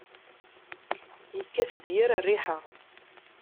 Yekkat-d yir rriḥa.